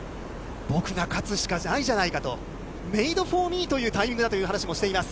僕が勝つしかないじゃないかと、メード・フォー・ミーというタイミングだという話もしています。